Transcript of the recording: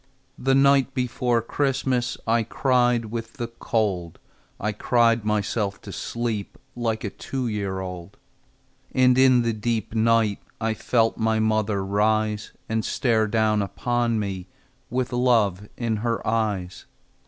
The night before Christmas I cried with the cold, I cried myself to sleep Like a two year old. And in the deep night I felt my mother rise, And stare down upon me With love in her eyes.